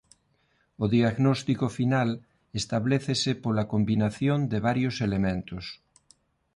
O diagnóstico final establécese pola combinación de varios elementos.